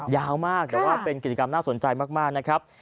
ยาวมากแต่ว่าเป็นกิจกรรมน่าสนใจมากนะครับ